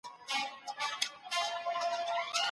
د ملاتړ له امله دا پروژه څو کاله له ستونزو سره مخ